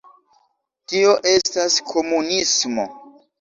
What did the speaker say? Tio estas komunismo